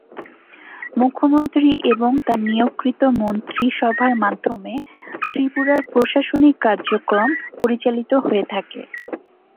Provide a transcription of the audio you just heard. মুখ্যমন্ত্রী এবং তার নিয়োগকৃত মন্ত্রিসভার মাধ্যমে ত্রিপুরার প্রশাসনিক কার্যক্রম পরিচালিত হয়ে থাকে।